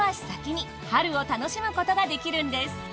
先に春を楽しむことができるんです。